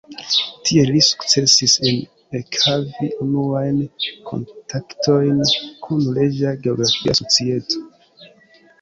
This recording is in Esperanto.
Tiel li sukcesis ekhavi unuajn kontaktojn kun Reĝa Geografia Societo.